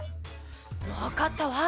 わかったわ！